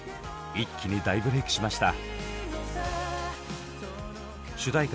一気に大ブレークしました。